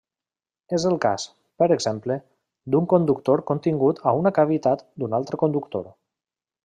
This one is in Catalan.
És el cas, per exemple, d'un conductor contingut a una cavitat d'un altre conductor.